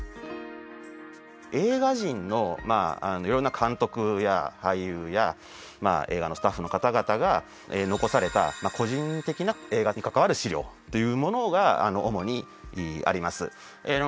映画人のまあいろんな監督や俳優や映画のスタッフの方々が残された個人的な映画に関わる資料というものが主にあります。